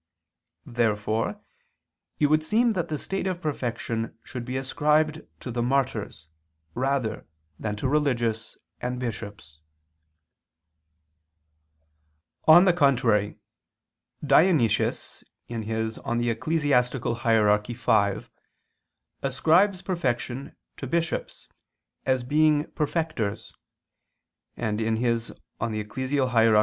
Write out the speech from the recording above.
Therefore it would seem that the state of perfection should be ascribed to the martyrs rather than to religious and bishops. On the contrary, Dionysius (Eccl. Hier. v) ascribes perfection to bishops as being perfecters, and (Eccl. Hier.